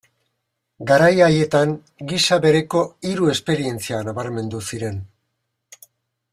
Garai haietan gisa bereko hiru esperientzia nabarmendu ziren.